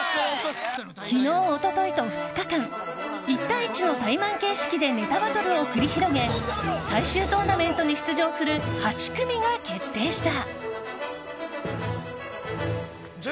昨日、一昨日と２日間１対１のタイマン形式でネタバトルを繰り広げ最終トーナメントに出場する８組が決定した。